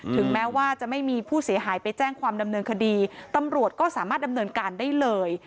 ถึงแม้ว่าจะไม่มีผู้เสียหายไปแจ้งความดำเนินคดีตำรวจก็สามารถดำเนินการได้เลย